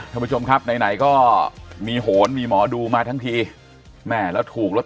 ส่วนใหญ่ก็มีโหนมีหมอดูมาทั้งทีแม่แล้วถูกล็อเตอรี่